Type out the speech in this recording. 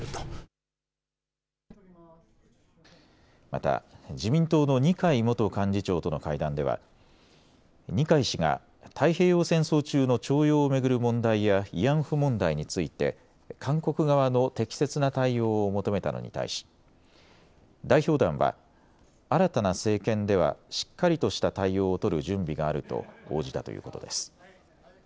また自民党の二階元幹事長との会談では二階氏が太平洋戦争中の徴用を巡る問題や慰安婦問題について韓国側の適切な対応を求めたのに対し、代表団は新たな政権ではしっかりとした対応を取る準備があると応じたということです。